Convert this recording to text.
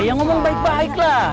ya ngomong baik baik lah